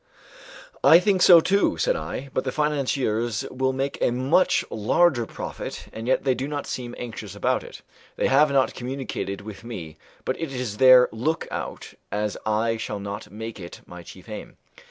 "I think so, too," said I, "but the financiers will make a much larger profit, and yet they do not seem anxious about it. They have not communicated with me, but it is their look out, as I shall not make it my chief aim."